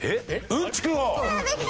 うんちく王！